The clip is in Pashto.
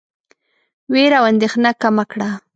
وېره او اندېښنه کمه کړه.